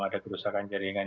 ada kerusakan jaringan